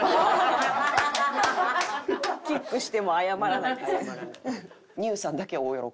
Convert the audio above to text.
キックしても謝らない。